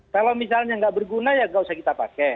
kalau misalnya nggak berguna ya nggak usah kita pakai